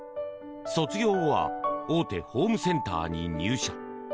卒業後は大手ホームセンターに入社。